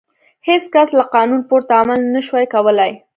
هېڅ کس له قانون پورته عمل نه شوای کولای.